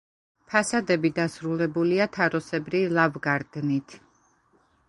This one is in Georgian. ფასადები დასრულებულია თაროსებრი ლავგარდნით.